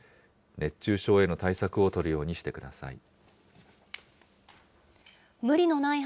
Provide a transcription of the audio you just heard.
熱中症への対策を取るようにしてください。